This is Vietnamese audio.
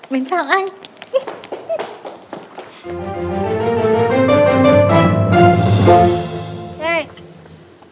mình chào anh